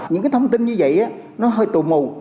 những cái thông tin như vậy nó hơi tụ mù